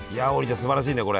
すばらしいねこれ。